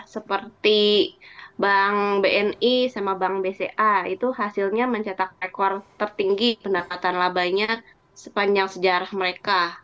seperti bank bni sama bank bca itu hasilnya mencetak rekor tertinggi pendapatan labanya sepanjang sejarah mereka